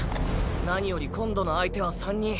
何より今度の相手は三人。